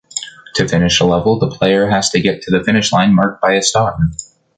To finish a level, the player has to get to the finish line marked by a star.